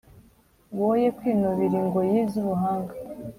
woye kwinubira ingoyi zubuhanga